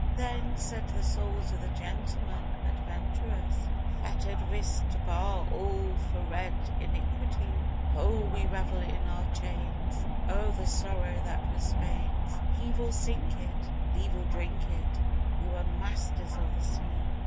Then said the souls of the gentlemen adventurers Fettered wrist to bar all for red iniquity: "Ho, we revel in our chains O'er the sorrow that was Spain's; Heave or sink it, leave or drink it, we were masters of the sea!"